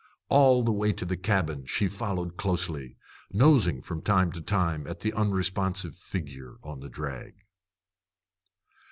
All the way to the cabin she followed closely, nosing from time to time at the unresponsive figure on the drag.